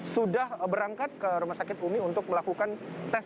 sudah berangkat ke rumah sakit umi untuk melakukan tes